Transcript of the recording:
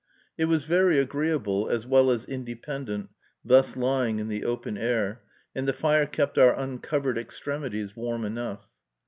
It was very agreeable, as well as independent, thus lying in the open air, and the fire kept our uncovered extremities warm enough.